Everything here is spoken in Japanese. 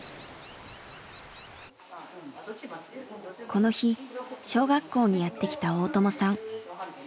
この日小学校にやって来た大友さん。